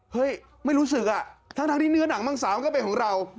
เฮ้ยไม่รู้สึกอ่ะทั้งที่เนื้อหนังมังสาวมันก็เป็นของเรา